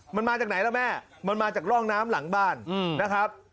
มันมาจากไหนล่ะแม่มันมาจากร่องน้ำหลังบ้านนะครับ